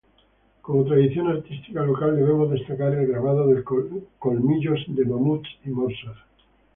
Como tradición artística local debemos destacar el grabado de colmillos de mamuts y morsas.